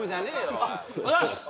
お前おはようございます！